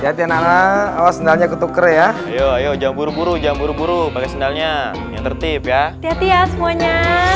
jotian anak awak sana ketuker ya yuk yuk jangan buru buru j residentialnya lashes ya